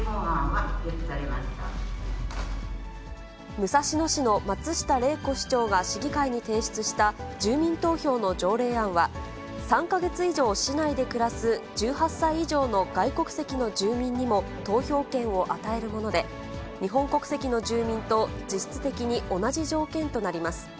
武蔵野市の松下玲子市長が市議会に提出した、住民投票の条例案は、３か月以上市内で暮らす１８歳以上の外国籍の住民にも投票権を与えるもので、日本国籍の住民と実質的に同じ条件となります。